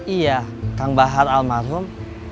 iya kang bahar almarhum